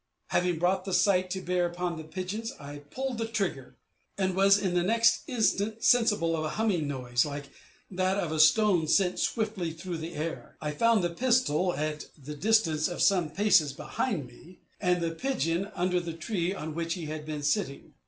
Having brought the sight to bear upon the pigeon, I pulled trigger, and was in the next instant sensible of a humming noise, like that of a stone sent swiftly through the air. I found the pistol at the distance of some paces behind me, and the pigeon under the tree on which he had been sitting.